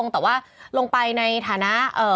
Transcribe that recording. แต่ว่าลงไปในฐานะ